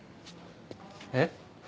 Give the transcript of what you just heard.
えっ？